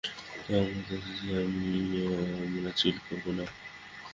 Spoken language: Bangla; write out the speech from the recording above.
তা আজরাতে কি আমরা চিল করবো না?